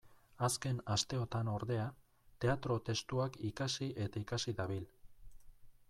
Azken asteotan, ordea, teatro-testuak ikasi eta ikasi dabil.